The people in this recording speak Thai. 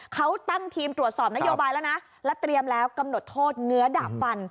เขาตั้งทีมตรวจสอบนโยบายแล้วนะและเตรียมแล้วกำหนดโทษเงื้อดาบฟัน